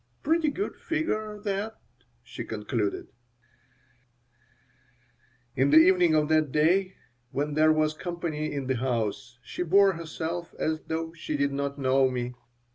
"Pretty good figure, that," she concluded In the evening of that day, when there was company in the house, she bore herself as though she did not know me.